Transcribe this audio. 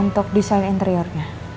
untuk desain interiornya